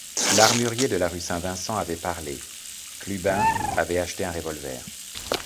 L’armurier de la rue saint-Vincent avait parlé ; Clubin avait acheté un revolver.